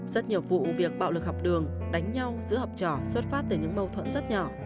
rất nhiều vụ việc bạo lực học đường đánh nhau giữa học trò xuất phát từ những mâu thuẫn rất nhỏ